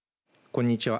こんにちは。